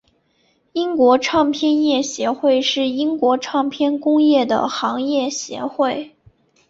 英国唱片业协会是英国唱片工业的行业协会。